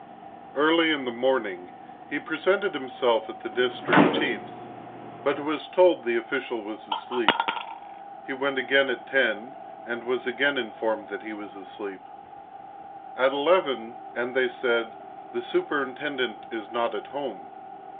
Early in the morning, he presented himself at the district chief's, but was told the official was asleep. He went again at ten and was again informed that he was asleep. At eleven, and they said, "The superintendent is not at home."